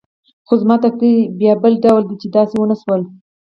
خو زما تقدیر بیا بل ډول دی چې داسې ونه شول.